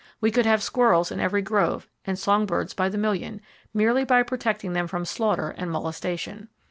We could have squirrels in every grove, and songbirds by the million,—merely by protecting them from slaughter and molestation.